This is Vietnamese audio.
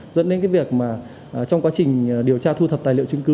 dẫn đến cái việc mà trong quá trình điều tra thu thập tài liệu chứng cứ